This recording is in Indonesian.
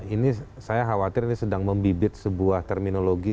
ini saya khawatir ini sedang membibit sebuah terminologi